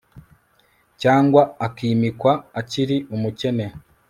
cyangwa akimikwa akiri umukene